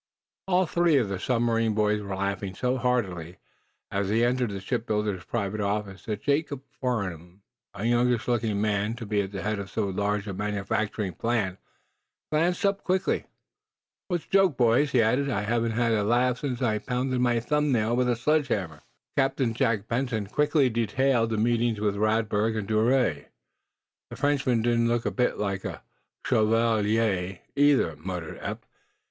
All three of the submarine boys were laughing so heartily, as they entered the shipbuilder's private office that Jacob Farnum, a youngish looking man to be at the head of so large a manufacturing plant, glanced up quickly. "What's the joke, boys?" he asked. "I haven't had a laugh since I pounded my thumbnail with a sledge hammer." Captain Jack Benson quickly detailed the meetings with Radberg and d'Ouray. "The Frenchman didn't look a bit like a 'shovelee' either," muttered Eph.